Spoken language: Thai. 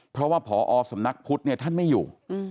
เพราะว่าพอสำนักพุทธเนี่ยท่านไม่อยู่